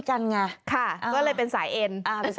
ก็เลยเป็นสายเอ็น